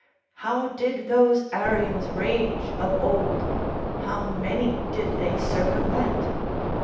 How did those Arians rage of old? how many did they circumvent?